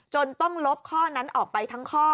จนต้องลบข้อนั้นออกไปทั้งข้อ